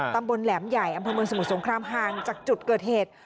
ตำบลแหลมใหญ่อำเภอเมืองสมุทรสงครามห่างจากจุดเกิดเหตุ